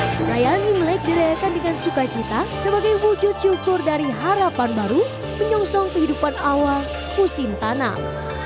perayaan imlek dirayakan dengan sukacita sebagai wujud syukur dari harapan baru menyongsong kehidupan awal musim tanam